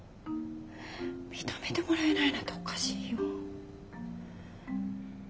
認めてもらえないなんておかしいよ。